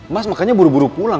mas makanya buru buru pulang